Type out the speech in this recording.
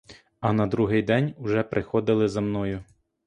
А на другий день уже приходили за мною.